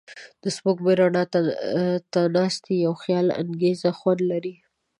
د سپوږمۍ رڼا ته ناستې یو خیالانګیز خوند لري.